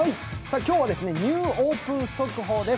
今日はニューオープン速報です。